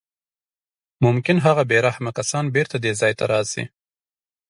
ممکن هغه بې رحمه کسان بېرته دې ځای ته راشي